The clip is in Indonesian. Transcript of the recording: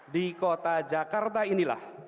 di kota jakarta inilah